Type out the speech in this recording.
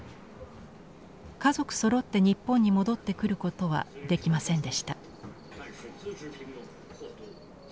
家族そろって日本に戻ってくることはできませんでした。